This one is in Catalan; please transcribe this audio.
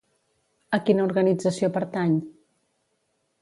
A quina organització pertany?